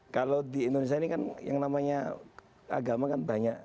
kalau di indonesia ini kan yang namanya agama kan banyak